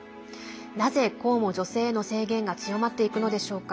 なぜ、こうも女性への制限が強まっていくのでしょうか。